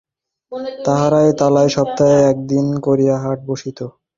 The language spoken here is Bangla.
তাহারই তলায় সপ্তাহে একদিন করিয়া হাট বসিত।